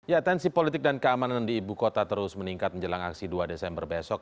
ya tensi politik dan keamanan di ibu kota terus meningkat menjelang aksi dua desember besok